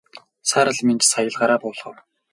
Саарал Минж сая л гараа буулгав.